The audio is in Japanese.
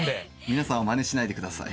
皆さんはまねしないでください。